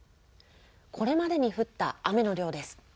これまでに降った雨の量です。